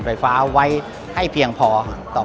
เพื่อเตรียมพร้อมรองรับ